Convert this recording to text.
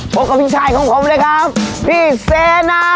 กับพี่ชายของผมเลยครับพี่เซนา